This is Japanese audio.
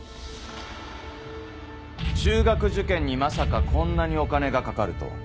「中学受験にまさかこんなにお金がかかるとは。